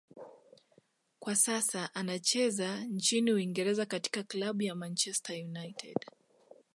kwa sasa anacheza nchini Uingereza katika klabu ya Manchester United